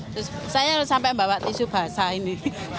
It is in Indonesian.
terus saya sampai bawa tisu basah ini